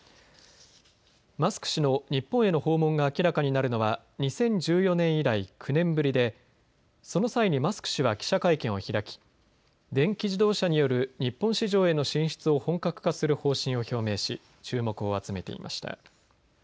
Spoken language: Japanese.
マスク氏の日本への訪問が明らかになるのは２０１４年以来、９年ぶりでその際にマスク氏は記者会見を開き電気自動車による日本市場への進出を本格化する方針を表明し注目を集めていました。